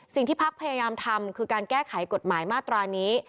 สิ่งที่พักพยายามทำคือการแก้ไขกฎหมายมาตรานี้